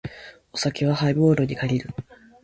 お酒はハイボールに限る。